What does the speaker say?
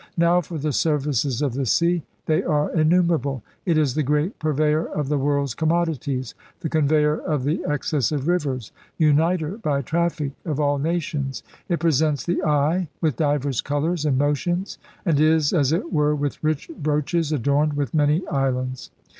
Now for the services of the sea, they are innumerable: it is the great pur veyor of the world's commodities; the conveyor of the excess of rivers; uniter, by traffique, of all nations; it presents the eye with divers colors and motions, and is, as it were with rich brooches, adorned with many islands.